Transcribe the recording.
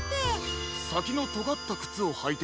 さきのとがったくつをはいていて。